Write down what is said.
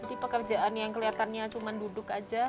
jadi pekerjaan yang kelihatannya cuma duduk aja